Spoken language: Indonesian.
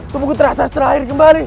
tubuhku terasa terakhir kembali